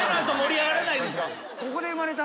ここで生まれたんだ。